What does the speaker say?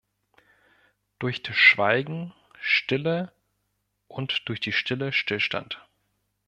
Durch das Schweigen Stille und durch die Stille Stillstand.